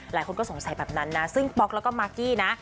หลายคนก็สงสัยแบบนั้นนะซึ่งป๊อกแล้วก็มากกี้นะ